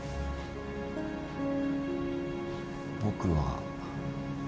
僕は。